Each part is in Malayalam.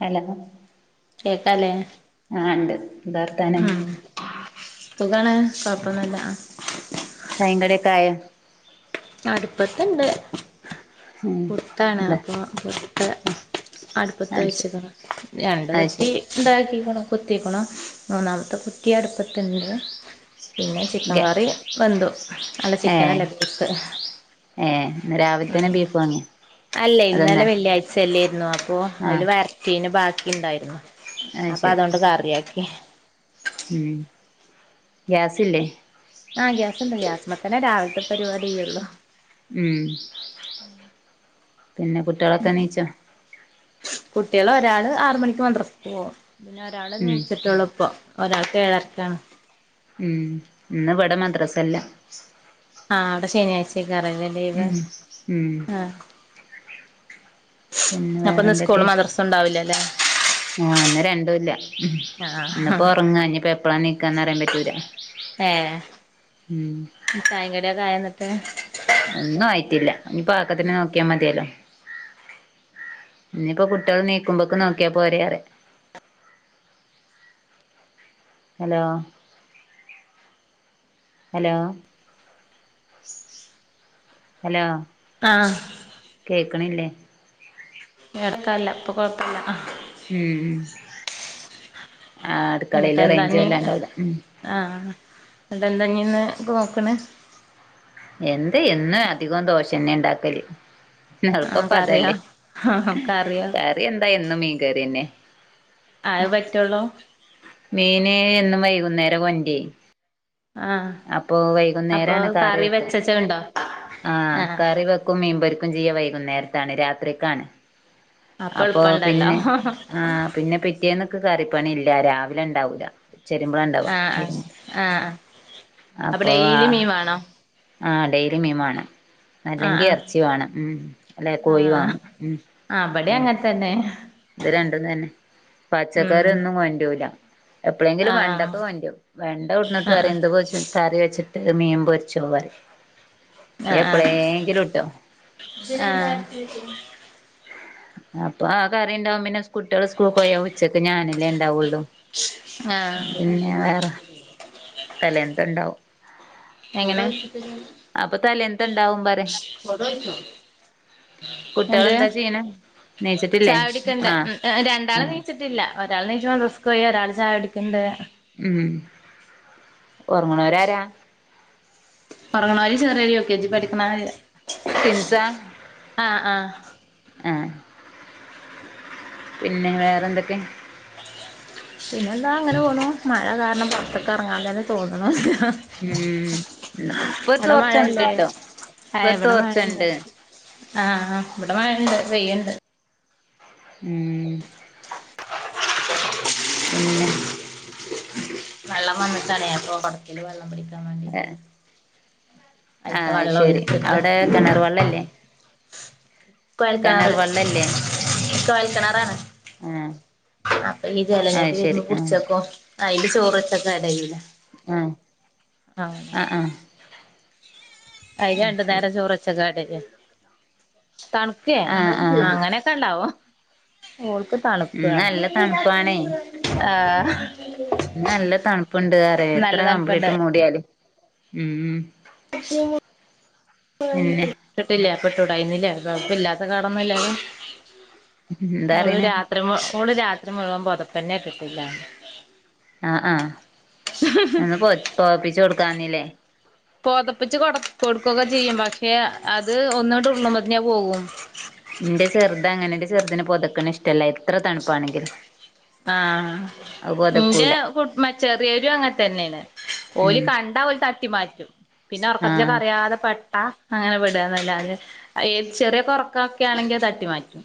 ഹലോ കേക്കല്ലേ ആണ്ട് ഉം സുഖാമാണ് കൊഴപ്പൊന്നുല്ല ചായിം കടിം ഒക്കെ ആയോ അടുപ്പത്ത്ണ്ട് ഉം പുട്ടാണ് എന്താ അപ്പോ പുട്ട് ആ അടുപ്പത്ത് അത് ശരി വച്ച്ക്ക്ണ് രണ്ട് അത് കുറ്റി ശരി ഉണ്ടാക്കിക്കുണു കുത്തിക്ക്ണ മു മൂന്നാമത്തെ കുറ്റി അടുപ്പത്ത്ണ്ട് പിന്നെ ചിക്കൻ ഗ്യാ കറി വെന്തു അല്ല ചിക്കനല്ല ബീഫ് ഏഹ് രാവിലെ തന്നെ ബീഫ് വാങ്ങിയ അലെയ് ഇന്നലെ വെള്ളിയാഴ്ചല്ലേയിരുന്നു അപ്പൊ ആ അതില് വരട്ടിയതിൻ്റെ ബാക്കി ഇണ്ടായിരുന്നു അത് അപ്പൊ ശരി അതോണ്ട് കറിയക്കി ഉം ഗ്യാസില്ലേ ആഹ് ഗ്യാസിണ്ട് ഗ്യാസ് മത്തന്നെ രാവിലത്തെ പരിപാടി ചെയ്യുള്ളു ഉം പിന്നെ കുട്ടിയാളൊക്കെ നീച്ചോ കുട്ടിയാൾ ഒരാള് ആറ് മണിക്ക് മദ്രസ് ക് പോകും പിന്നെ ഒരാള് ഉം നീച്ചിട്ടൊള്ളു ഇപ്പം ഒരാക്ക് ഏഴരക്കാണ് ഉം ഇന്ന് ഇവിടെ മദ്രസല്ല ആഹ് അവിടെ ശനിയാഴ്ചേക്കാരം ലെ ഉം ഉം ഉം അപ്പൊ ഇന്ന് വേറെന്തൊക്കെ സ്കൂളും വിശേഷം മദ്രസും ഉണ്ടാവില്ലല്ലേ ആഹ് ഇന്ന് രണ്ടൂല്ല ആ ഇന്ന്പ്പോ ഒറങ്ങ ഇഞ്ഞിപ്പോ എപ്പളാ നീക്കാ പറയാൻ പറ്റൂല ഏഹ് ഉം ചായിം കടിയൊക്കെ ആയ്ന്നിട്ട് ഒന്നും ആയിട്ടില്ല ഇനിപ്പോ ആക്കത്തിന് നോക്കിയാ മതിയലോ ഇനിയിപ്പോ കുട്ടികൾ നീക്കുമ്പോക്കെ നോക്കിയാ പോരെ പറയ ഹലോ ഹലോ ഹലോ ആഹ് കേക്ക്ണില്ലേ എടക്കല്ല ഇപ്പൊ കൊഴപ്പല്ല ഉം അട്ക്കളീല് റേഞ്ച് വെല്ലണ്ടാവൂല ആഹ് ന്നിട്ട എന്താ ഇന്ന് നോക്ക്ണത് എന്ത് എന്നും അധികം ദോഷംന്നെ ഇണ്ടാക്കല് ആ കറിയോ എളുപ്പപ്പതല്ലേ കറിയോ കറി എന്താ എന്നും മീൻ കറിന്നെ അതെ പറ്റുള്ളൂ മീന് എന്നും വൈകുന്നേര കൊണ്ട്രെയ് ആ അപ്പൊ അപ്പൊ വൈകുന്നേരാണ് കറി വെക്ക. [unintelligible] ആഹ ആ കറി വെക്കും മീൻപൊരിക്കും ചെയ്യാ വൈകുന്നേരത്താണ് രാത്രിക്കാണ്. അപ്പൊ പിന്നെ ആ പിന്നെ പിറ്റേന്ന്. കറിപ്പണി ഇല്ല രാവിലെ ഇണ്ടാവൂല. ചെരുമ്പോഴ ഇണ്ടവാ ആഹ് ആഹ് ആഹ് ആഹ് അപ്പൊ ആ ഡെയിലി മീൻ വേണോ ആ ഡെയിലി മീൻ വാണം. ആഹ് അല്ലെങ്കി ആഹ് എറച്ചി വാണം ഉ അല്ലെ കോയി ആഹ് വാങ്ങും ഉ ആഹ് ഇബടെ എ അങ്ങനെ തന്നെ. ഇത് രണ്ടും തന്നെ ഉം പച്ചക്കറി ഒന്നും കൊണ്ടരൂല്ല. എപ്പളെങ്കിലും ആഹ് വെണ്ടക്ക കൊണ്ടരും വെണ്ട കൊടുന്നിട്ട് ആഹ് പറയും ഇത് പൊ കറി വെച്ചിട്ട് മീൻ പൊരിച്ചോപറയും എപ്പഴെങ്കിലും ട്ടോ. ആഹ അപ്പൊ ആ കറിണ്ടാവും പിന്നെ കുട്ടിയള് സ്കൂൾ പോയാൽ ഉച്ചക്ക് ഞാനല്ലേ ഇണ്ടാവൊള്ളു. ആഹ തലേ നത്തെ ഇണ്ടാവും. എങ്ങനെ? അപ്പൊ തലേന്നത്തെണ്ടാവും പറയ [unintelligible] എന്ത് കുട്ടികളെന്താ ചെയ്യണ് നീച്ചിട്ടില്ലേ ചായുടിക്ക്ണണ്ട് ആഹ് ഉം എഹ് രണ്ടാള് ആഹ് നീച്ചിട് ട്ടില്ല ഒരൾ നീച് മദർസ്ക്കോയി ഒരാൾ ചായുടിക്ക്ണ്ട് ഉം ഉറങ്ങുണരാര ഉറങ്ങിനോര് ചെറിയോര് യു കെ ജി പഠി ട്വിൻസ് ആ ആഹാ പിന്നെ വേറെന്തൊക്കെ പിന്നെന്താ അങ്ങനെ പോണു മഴ കാരണം പുറത്ത്ക്ക് എറങ്ങാതന്നെ തോന്ന്ണൂല ഉം ഇപ്പൊ ഒരു അവടെ മഴല്ലേ തോർച്ചണ്ട്ട്ടോ ഇപ്പൊ എഹ് ഒരു ഇവടെ മഴണ്ട് തോർച്ചണ്ട് ആഹ് ഇവിടെ മഴണ്ട് പെയ്യ്ണ്ട് ഉം പിന്നെ വള്ളം വന്നിട്ടാണ് അപ്പൊ കൊടത്തിൽ വെള്ളം പിടിക്കാൻ വേണ്ടിട്ട് ആഹ് അയിത്ത അത് വള്ളം ശരി ഒഴിച്ചിട്ട് അവിടെ കിണർ വെള്ളല്ലേ കോയൽക്കാർ കിണർ വെള്ളല്ലേ കോയൽകേണാറാണ് ആഹ് അപ്പ ഈ അത് ജലനിധി ശരി വരുമ്പോ ആഹ് പുടിച്ചോക്കും അയിൽ ചോർ വെച്ചക്കൻ കഴുല ആഹ് ആഹ് അയ്ല് രണ്ടു ശരി നേരം ചോറ്ച്ചക്കാണ്ല്ലെ തൺ ക്കെ ആഹ് ആഹ് അങ്ങനെക്കെ ഇണ്ടാവും ഓൾക്ക് തണുക ഇന്ന് നല്ല തണുപ്പാണേ ആഹ് ഇന്ന് നല്ല തണുപ്പുണ്ട്റയ് എത്ര നല്ല തണുപ്പുണ്ട് കമ്പളീട്ട് മൂടിയാലും ഉം [unintelligible] പിന്നെ ഇട്ടിട്ടില്ലെ അപ്പട്ടുടായ്നില്ലെ ബൾബ് ഇല്ലാത്ത കാണുമ്പോൾ എല്ലാരും എന്താ ഓള് പറയണ് രാത്രി മു ഓള് രാത്രി മുഴുവൻപോതപ്പന്നെ ഇട്ടിട്ടില്ല ആഹ് ആഹ് അന്ന് പോ പോപ്പിച്ചു കൊടുക്കാന്നില്ലേ പോതപ്പിച്ച് കൊട് കൊടുക്കുകൊക്കെ ചെയ്യും പക്ഷെ അത് ഒന്നുരുളുമ്പത്തിന് അത് പോകും ന്റെ ചെറുത് അങ്ങനെന്റ ചെറുതിന് പൊതക്ണെ ഇഷ്ടല്ല എത്ര തണുപ്പാണെങ്കിലും ആഹാ അത് ഇന്റെ പൊതക്കൂല കുട്ട്മ ചെറിയരും അങ്ങനെ തന്നെണ് ഓല് ഉം കണ്ടാ ഓല് തട്ടി മാറ്റും പിന്നെ ആഹ് ഒർക്കത്തിലോക്കെ അറിതെ പ അഹ് അങ്ങനെ വിട് ന്നല്ലാതെ ഏത് ചെറിയ ഒറക്കൊക്കെ ആണെങ്കി അത് തട്ടി മാറ്റും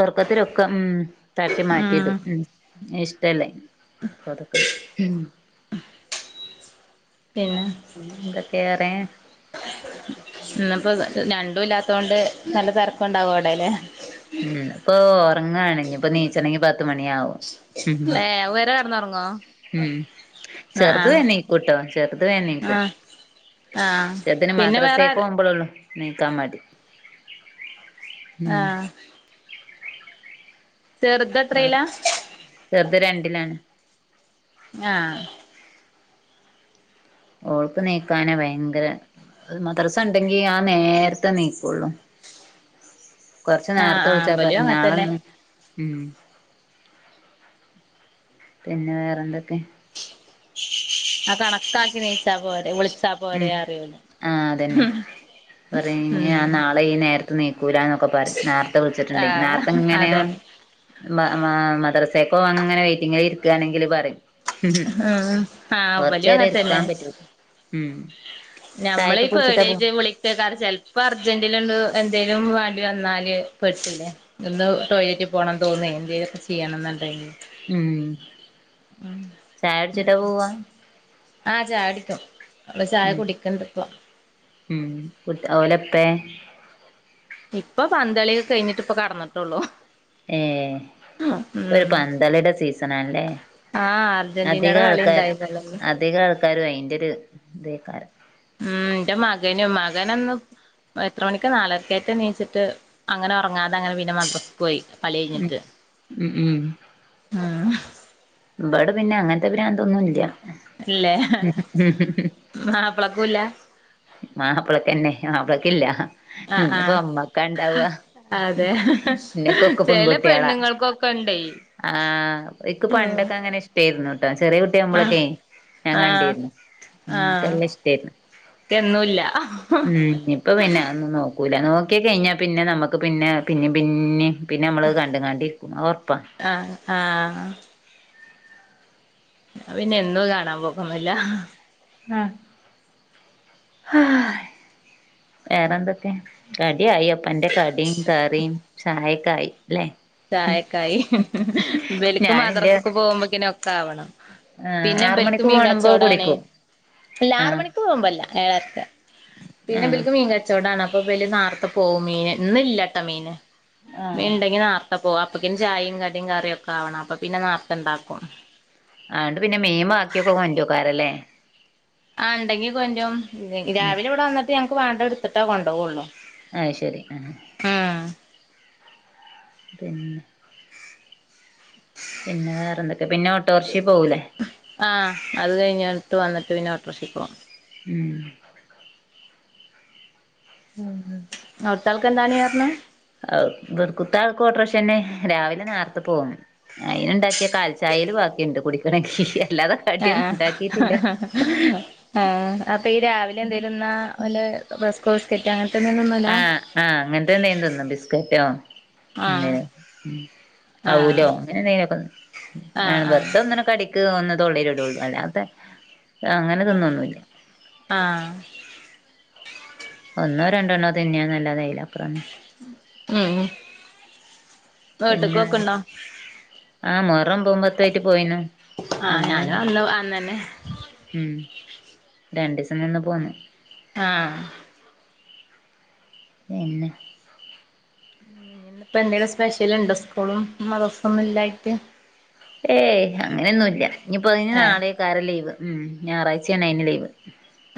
ഒർക്കത്തിലൊക്കെ ഉം തട്ടി മാറ്റിടും. ഉം ഇഷ്ടല്ലേയ്ന്. പൊതക്കണം ഉം. പിന്നെന്തക്കെ വേറെ. ഇന്ന്പ്പോ രണ്ടൂ ല്ലാത്തൊണ്ട് നല്ല തിരക്കുണ്ടാവേലെ അവടല്ലെ. ഉം ഇന്ന്പ്പോ ഉറങ്ങാണ്. ഇഞ്ഞിപ്പോ നീച്ചണെങ്കി പത്ത് മണിയാവും. ഹും ഏഹ് ഇവരെ കെടന്നുറങ്ങോ ഉം ആഹ് ചെറുത് ആഹ് എണിക്കുട്ടോ. ചെറുത് എണീക്കും. ആഹ് ആഹ് ചെറുതിന് പിന്നെ വേറെ മദ്രസേക്ക് ആര് പോകുമ്പോഴള്ളു, നീക്കാ മടി. ഉം ആഹ് ചെറുതത്രെയിലാ? ചെർത് രണ്ടിലാണ്. ആഹ് ഓൾക്ക് നീക്കാന ഭയങ്കര, അത് മദ്രസണ്ടെങ്കി ആ നേരത്തെ എണീക്കോള്ളൂ. കൊറച്ച് ആഹ് നേരത്തെ ആഹ് വിളിച്ചാ ഇബലും പറിം അങ്ങൻത്തന്നെ ന്നാളന്ന്, ഉം പിന്നെ വേറെന്തൊക്കെ? ആ കണക്കാക്കി നീച്ചാ പോരെ. വിളിച്ചാ ഉം പോരെ അറിയോല് ആഹ് അതന്നെ. [unintelligible] ഉം നാ [unintelligible] നേരത്ത് എണീക്കൂലാന്നൊക്കെ പറയും നേരത്തെ വിളിച്ചിട്ടുണ്ടെങ്കി. ആഹ് നേർത്തെ ഇങ്ങനെ, അതന്നെ മ മാ മദ്രസക്കോ ഇങ്ങനെ വെയിറ്റിങ്ങിൽ ഇരിക്കുകാണെങ്കില് പറയും. ഉം ഉം ആഹ് ഇബലും കൊറച്ചേരം അങ്ങൻത്തന്നെ ഇരിക്കാൻ പറ്റിത്. ഉം. ഞമ്മളീ ചായൊക്കെ കുടിച്ചിട്ടാ പോവാ പേടായിട്ട് വിളിച്ചേക്കാട ചെല് പ്പ അർജന്റില് എന്ത് എന്തേലും വേണ്ടി വന്നാല് പെട്ടില്ലേ. ഒന്ന് ടോയ്ലറ്റിൽ പോണം തോന്നേ. എന്തേലൊക്കെ ചെയ്യണം എന്നുണ്ടെങ്കി, ഉം. ചായുടിച്ചിട്ടാ പോവാ? ആഹ് ചായുടിക്കും. അവള് ചായ ഉം കുടിക്കണ്ട്‌ പ്പ. ഉം ഫുഡ് [unintelligible] ഇപ്പൊ പന്തളിയൊക്കെ കഴിഞ്ഞിട്ട് ഇപ്പ കടന്നിട്ടൊള്ളൂ. ഏഹ്. ഉം പന്തളീടെ സീസണാണല്ലേ. ആഹ് അധിക അർജന്റീനയുടെ കളി ആൾക്കാരു ഉണ്ടായിരുന്നല്ലോ ഇന്ന് അധിക ആൾക്കാരും അയിന്റൊരു ഇതേക്കാരം. ആഹ് എന്റെ മകനും. മകനൊന്ന് എത്ര മണിക്ക് നാലരക്കേറ്റാട്ടു ണിച്ചിട്ട്, അങ്ങനെ ഒറങ്ങാതെ അങ്ങനെ പിന്നെ മദ്രസക്ക് പോയി കളി ഉം കഴിഞ്ഞിട്ട്. ഉം ഉം. ഉം ഇബട പിന്നെ അങ്ങനത്തെ ഭ്രാന്തൊന്നും ഇല്ല. ഇല്ലേ. മാപ്ളകു ഇല്ല? മാപ്പിളക്കന്നെ, മാപ്പിളക്കില്ല. ആഹ് ഇനിപ്പൊ ആഹ് അമ്മക്കാണ്ടാവ. അതെ ചെല പെൺകുട്ട്യാളാ പെണ്ണുങ്ങൾക്കൊക്കെണ്ടെയ്. ആഹ് ഇക്ക് പണ്ടൊക്കെ അങ്ങനെ ഇഷ് യരുന്നോട്ടോ. ചെറിയ ആഹ് കുട്ടിയാമ്പൊളൊക്കെ ഞാൻ ആഹ് കണ്ടിരുന്നു. ൻക്ക് നല്ല ഇഷ്ടെരുന്നു. ൻക്കന്നൂല്ല. ഇപ്പൊ പിന്നെ അതൊന്നും നോക്കൂല. നോക്കി കഴിഞ്ഞ പിന്നെ നമ്മുക്ക് പിന്നെ, പിന്നേ പിന്നേം, പിന്നെ മ്മളത് കണ്ട് കാണ്ടിരിക്കും. അത് ഒറപ്പ. ആഹ് ആഹ് ഞാൻ പിന്നെ എന്നൂത് കാണാൻ പോക്കൊന്നൂല്ല. ആഹ് വേറെന്തൊക്കെ? കടിയായം ന്റെ കടീം, കറീം, ചായക്കായി അല്ലെ? ചായക്കായി. ഇബല്ക്ക് ഞാനിന്റെ മദ്രസക്ക് പോവുമ്പക്ക്ന് ഒക്കാവണം. ഏഹ് പിന്നെ ആറ് ഇബല്ക്ക് മണിക്ക് മീൻ പോണുമ്പോ കച്ചോടാണ്. കുടിക്കും അല്ല ആറ് ആഹ് മണിക്ക് പോകുമ്പല്ല, ഏഴരക്ക. പിന്നെ ഇബല്ക്ക് മീങ്കച്ചോ ച്ചോടാണപ്പോ ബല് നാർത്തപോവും മീന് ഇന്ന്ല്ലട്ട മീന് ആഹ് മീൻണ്ടങ്കി നാർ അപ്പോവ അപ്പക്കിൻ ചായിം കടിം കറിഒക്കാവണം അപ്പൊ പിന്നെ നാർത്തണ്ടാകും. ആണ്ട് പിന്നെ മിം ബാക്കിയൊക്കെ കൊന്റോക്കാരല്ലേ. ആഹ് ഇണ്ടെങ്കി കൊൻറ്റും ഉം രാവിലെ ഇവട വന്നിട്ട് ഞങ്ങ്ക് വേടത്ട്തിട്ട കൊണ്ടോവൊള്ളു. അയ്ശെരി ഉം ആഹ് പിന്നെ പിന്നെ വേറന്തൊക്കെ പിന്നെ ഓട്ടോർഷി പോവൂലേ. ആഹ് അത് കൈന്നിട്ട് വന്നിട്ട് പിന്നെ ഒട്ട്റോഷി പോം. ഉം [unintelligible] അവ്ട്താൾക്കെന്താണി അർൻ? ഔ ഇബ്ട്കുത്ത ആൾക്കു ഓട്രോശെന്നെ രാവിലെ നേർത്ത പോവും. അയ്ൻണ്ടാക്കിയ കാല്ചായേലും ബാക്കിണ്ട് കുടി ആഹ് ആഹ് ആ അപ്പഈ രാവിലെ എന്തേലുന്നാ ഒലെ റെസ്കൊവിസ്കെറ്റോ അങ്ങൻത്തൊന്നൂന്നുല്ല? ആഹ് ആഹ് അങ്ങൻത്തെന്തേം തിന്നും ബിസ്ക്കറ്റോ ന്നെ ആഹ് ഉം ആഹ് ഔലോ അങ്നെന്തെലകന്നും ആഹ് ആഹ് വെർതങ്ങനെ കടി ക്ക് ഒന്ന് തൊളിലുടോള് അല്ലാതെ അങ്ങനതിന്നൊന്നുല്ല. ആഹ് ഒന്നോ രണ്ടണ്ണോ തിഞ്ഞന്നല്ലാതെ അയ്ലപ് ഉം പിന്നെ വീട്ട്കൊക്ക്ണ്ടോ? ആഹ് മോഹറൊമ്ബവും പത്തു ആയിട്ട് പോയിന്നു അന്ന് ലോ അന്നന്നെ ഉം രണ്ടീസ നിന്ന് പോന്നു ആഹ് പിന്നെ ന്ന്പ്പന്തെലും സ്പെശല്ണ്ടോ സ്കൂളും മദ്രാസൊന്നുലായിട്ട്? ഏയ് അങ്ങനെന്നുല്ല ഇനീപൊ നീ ഏഹ് നാളെകാരം ലീവ് ഉം ഞാറായ്ചെൻ നി ലീവ്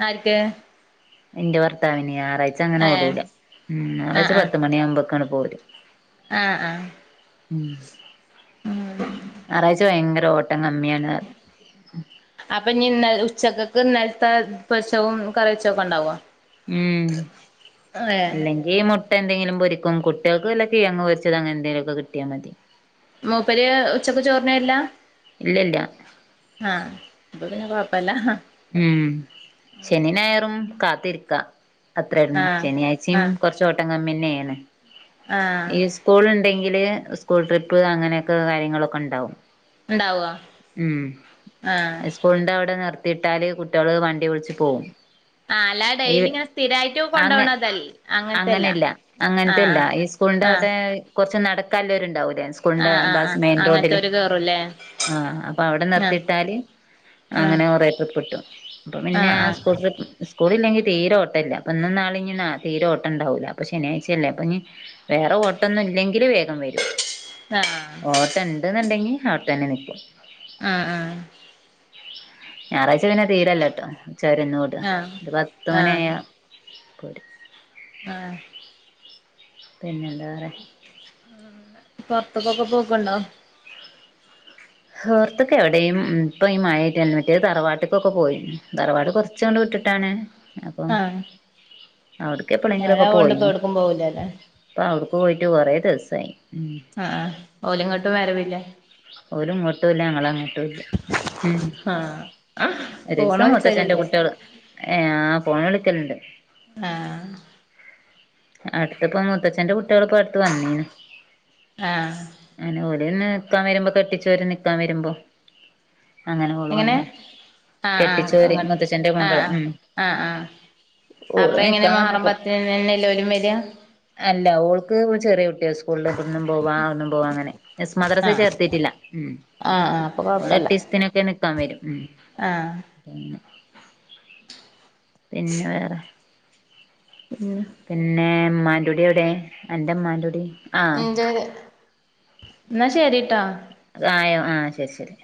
ആര്ക്ക് ഇന്റെ ഭർത്താവിനെ ഏഹ് ഞാറാഴ്ചങ്ങനൊടൂല ഉം ആഹ് ഞാറാഴ്ച ആഹ് പത്ത് മണിയാവുബക്ങ് പോരും ആഹ് ആഹ് ഉം ഉം ഞാറാഴ്ച വയങ്കര ഓട്ടം കമ്മിയണറിം അപ്പൊ ഇനി ഇന്നല് ഉച്ചക്ക്ക് ഇന്നല്ത്തെ പൊരിച്ചവും കറിവെചോക്കെണ്ടാവോ? ഉം അല്ലേഗ് ഈ മുട്ട ന്തെയ്ലും പൊരിക്കും കുട്ടിയൾക്ക് വല്ല കിഴങ് പൊരിച്ചത ങ്ങനെന്തെലൊക്കെ കിട്ടിയമതി മൂപ്പര് ഉച്ചക്ക് ചോർന് വര്ല്ല? ഇല്ലല്ല ആഹ് അപ്പൊ പിന്നെ കൊയപ്പല്ലാ ഉം ശനി ഞായറും കാത്തിര്ക്കാ അത്രാനും ആഹ് ശനിയാഴ്ച്ചിം ആഹ് കൊർച്ചോട്ടം കമ്മിയെന്നെണ് ആഹ് ഈ സ് സ്കൂള് ഇണ്ടെങ്കിൽ സ്കൂൾ ട്രിപ്പ് അങ്ങനെയൊക്കെ കാര്യങ്ങളൊക്ക ണ്ടാവും ഉണ്ടാവോ ഉം ആഹ് സ്കൂൾന്റവ്ടെ നിർ തിട്ടാൽ കുട്ടെള് വണ്ടി വിൾച്ച് പോവും ആഹ് അല്ലായെ ഈ ഡെയ്ലി ങ്ങനെ സ്ഥിരായിട്ട് കൊണ്ടോവ്ണതൽ അങ്ങൻതെല്ല അങ്ങൻതെല്ല ഈ സ്കൂളിന്റെ അവ്ടെ കൊറച്ച് നടക്കാല്ലോര്ണ്ടാവുലെ സ് കൂൾന്റെ ആഹ് ആഹ് ബസ് ആഹ് മെയിൻ റോഡില് അങ്ങനത്തോര് കേറുംല്ലേ ആഹ് അപ്പൊ അവ്ടെ ആഹ് നിർത്തിട്ടാൽ ആഹ് അങ്ങനെ കൊറേ ട്ടപെട്ടു അപ്പം പിന്നെ ആഹ് ആ ആഹ് സ്കൂട്ടറി സ്കൂളില്ലെങ്കി തീരൊട്ടല്ല പ്പൊന്നും നാളീം നിന്ന തീരൊട്ടണ്ടാവുല്ല അപ്പൊ ശനിയാഴ്ചല്ലേ അപ്പൊ ഇനി വേറോട്ടൊന്നുല്ലെങ്കില് വേഗം വരും. താഹ് ഓട്ടം ഇണ്ട്ന്ന്ണ്ടെങ്കി അവിടെ തന്നെ നിക്ക. ആഹ് അ ഞായറാഴ്ച പിന്നെ തീരെ ഇല്ലട്ടോ. ഉച്ച വരെ ഒന്നും ഓ ആഹ് [unintelligible] ഒരു പത്തു മണി ആഹ് ആയാ പോരും. ആഹ് പിന്നെ എന്താ വേറെ? ഉം, പൊറത്ത്ക്ക് ഒക്കെ പോക്ക്ണ്ടോ? ഹൊറത്ത്ക്ക് എവിടെയും ഇപ്പ ഈ മഴായിട്ട് മറ്റേ തറവാട്ട്ക്ക് ഒക്കെ പോയിനി. തറവാട് കൊറച്ചാണ്ട് വിട്ടിട്ടാണ്. അപ്പൊ ആഹ് അവ്ട്ക്കെപ്പളെഗിലൊക്കെ മഴയാവോണ്ട് ഇപ്പ പോയിന്നു എവിടക്കും പോവൂലല്ലേ ആഹ്, അവുടുക്ക് പോയിട്ട് കൊറേ ദിവസായി. അ ആഹ്, ഓല് ഇങ്ങട്ട് വരവില്ലേ? ഓല് ഇങ്ങോട്ടുല്ല, ഞങ്ങള് അങ്ങട്ടുല്ല. ഉം ആഹ് ഫോണ് ഒരീസം മൂത്തച്ഛന്റെ വിളിച്ചലില്ലേ കുട്ടിയള്, ഏ ആഹ് ഫോൺ വിളിക്കല്ണ്ട്. ആഹ് അടുത്ത്പ്പം മൂത്തച്ഛന്റെ കുട്ടിയള് ഇപ്പ അട്ത്ത് വന്നിനി ആഹ് അല്ല ഓല് പിന്നെ നിക്കാൻ വരുമ്പോ കെട്ടിച്ചോര് നിക്കാൻ വരുമ്പം. അങ്ങനെ ഓള് എങ്ങനെ വന്നി ആഹ് ആഹ് കെട്ടിച്ചോര്, അങ്ങട്ട് മൂത്തച്ഛന്റെ മകൾ. ആഹ് ആഹ് ഉം, ആഹ് ആഹ് ഓള് നിക്കാൻ വന്നപ്പോ [unintelligible] ലെ ഓലും വരിയ അല്ല, ഓൾക്ക് ചെറിയ കുട്ടിയ, സ്കൂളില് ഇബട്ന്നും പോവാ അവ്ട്ന്നും പോവാ അങ്ങനെ. എസ് മദ്രസ് ആഹ് ചേർത്തിട്ടില്ല. ഉം ആഹ് ആഹ് അപ്പൊ ഓള് കൊഴപ്പല്ല എട്ടീസ്തിനൊക്കെ നിക്കാൻ വരും. ഉം ആഹ് പിന്നെ വേറെ [unintelligible] പിന്നേ ഉമ്മാന്റുടി എവിടെ? അന്റെ ഉമ്മാന്റുടി. എന്ജെ എന്നാ ശരിട്ടാ അത് ആയോ? ആ ശരി ശരി